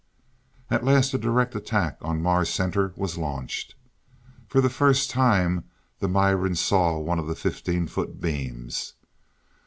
At last the direct attack on Mars Center was launched. For the first time, the Mirans saw one of the fifteen foot beams.